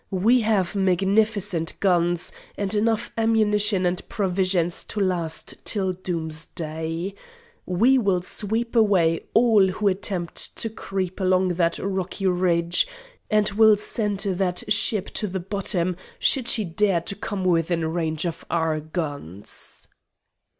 We have magnificent guns and enough ammunition and provisions to last till doomsday. We will sweep away all who attempt to creep along that rocky ridge, and will send that ship to the bottom should she dare to come within range of our guns."